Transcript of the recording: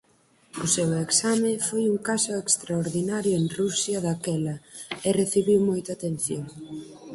O seu exame foi un caso extraordinario en Rusia daquela e recibiu moita atención.